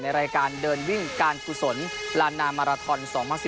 รายการเดินวิ่งการกุศลลานามาราทอน๒๐๑๙